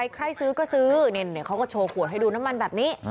ใครซื้อก็ซื้อเขาก็โชว์ขวดให้ดูน้ำมันแบบนี้